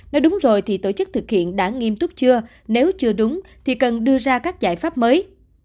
nói đúng rồi thì tổ chức thực hiện đã nghiêm túc chưa nếu chưa đúng thì cần đưa ra các giải pháp mới